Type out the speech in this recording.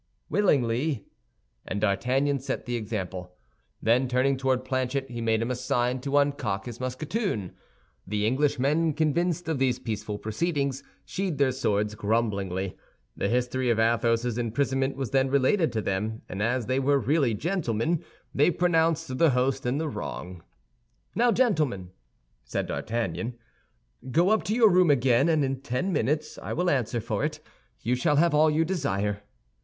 "Willingly." And D'Artagnan set the example. Then, turning toward Planchet, he made him a sign to uncock his musketoon. The Englishmen, convinced of these peaceful proceedings, sheathed their swords grumblingly. The history of Athos's imprisonment was then related to them; and as they were really gentlemen, they pronounced the host in the wrong. "Now, gentlemen," said D'Artagnan, "go up to your room again; and in ten minutes, I will answer for it, you shall have all you desire."